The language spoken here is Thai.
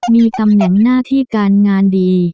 มีตำแหน่งหน้าที่การงานดี